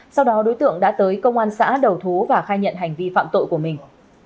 sau đó đối tượng đã tới công an xã đầu thú và khai nhận hành vi phạm tội của mình